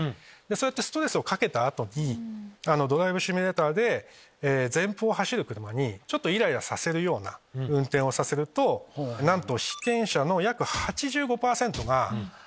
ストレスをかけた後にドライブシミュレーターで前方を走る車にイライラさせるような運転をさせるとなんと。